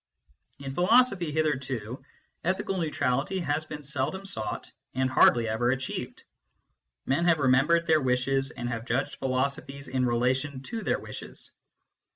In philosophy, hitherto, ethical neutrality has been seldom sought and hardly ever achieved. Men have remembered their wishes, and have judged philosophies in relation to their wishes.